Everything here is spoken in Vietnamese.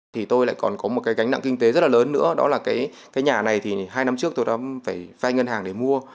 thì tôi lại còn có một cái gánh nặng kinh tế rất là lớn nữa đó là cái nhà này thì hai năm trước tôi đã phải vai ngân hàng để mua